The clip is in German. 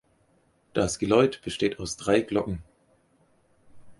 Das Geläut besteht aus drei Glocken.